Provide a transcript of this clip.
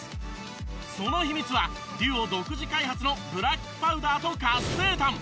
その秘密はＤＵＯ独自開発のブラックパウダーと活性炭。